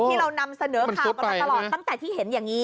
ที่เรานำเสนอข่าวกันมาตลอดตั้งแต่ที่เห็นอย่างนี้